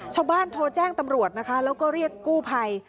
ชาวบ้านโทรแจ้งตำรวจนะคะแล้วก็เรียกกู้ภัย